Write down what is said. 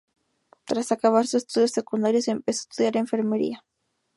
Tras acabar sus estudios secundarios, empezó a estudiar enfermería.